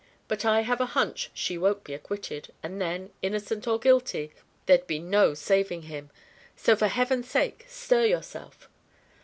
But I have a hunch she won't be acquitted; and then, innocent or guilty, there'd be no saving him. So for heaven's sake, stir yourself."